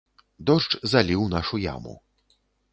Дождж заліў нашу яму.